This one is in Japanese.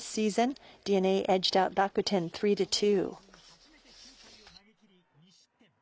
初めて９回を投げ切り、２失点。